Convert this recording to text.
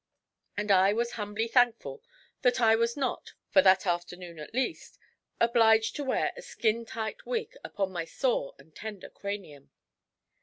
and I was humbly thankful that I was not, for that afternoon at least, obliged to wear a skin tight wig upon my sore and tender cranium.